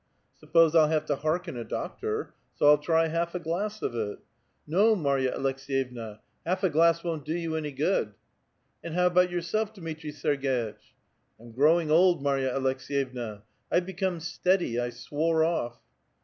*' S'pose I'll have to hearken a doctor; so Til try half a glass of it." No, Marya Aleks^yevna ; half a glass won't do you any goo<l." '* And how about yourself, Dmitri Serg^itch?" "I'm growing old, Marya Aleks^yevna; I've become steady. 1 swore off."